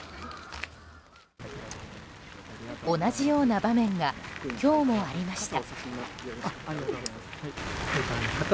同じような場面が今日もありました。